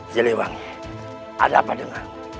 ziliwangi ada apa denganmu